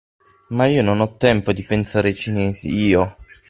Ma io non ho tempo di pensare ai cinesi, io!